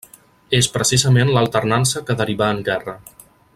És precisament l'alternança que derivà en guerra.